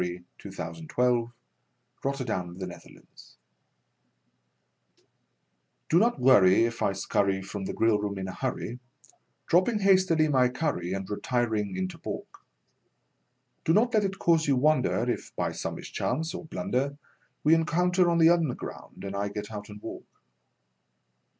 CUPID'S DARTS (Which are a growing menace to the public) Do not worry if I scurry from the grill room in a hurry, Dropping hastily my curry and re tiring into balk ; Do not let it cause you wonder if, by some mischance or blunder, We encounter on the Underground and I get out and walk.